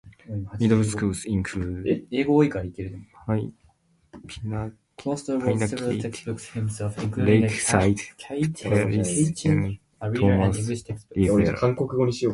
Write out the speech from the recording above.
Middle schools include Pinacate, Lakeside, Perris and Tomas Rivera.